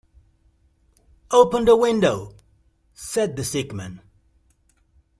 ‘Open the window,’ said the sick man.